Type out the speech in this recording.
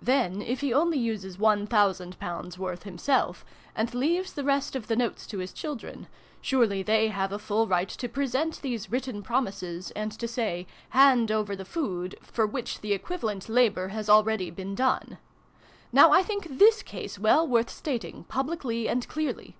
Then, if he only uses one thousand pounds' worth himself, and leaves the rest of the notes to his children, surely they have a full right to pre sent these written promises, and to say ' hand over the food, for which the equivalent labour has been already done.' Now I think this case well worth stating, publicly and clearly.